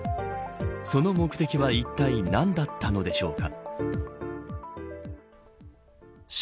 その目的はいったい何だったのでしょうか。